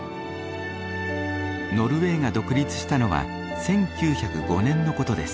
ノルウェーが独立したのは１９０５年のことです。